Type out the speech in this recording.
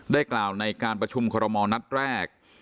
ได้กล่าวในการประชุมอนัดแรก